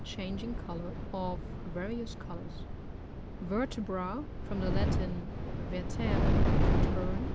Changing col* our; of vtrlous colours. Vertebra. — From the Latin, vertere^ to turn.